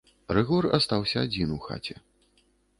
Рыгор астаўся адзін у хаце.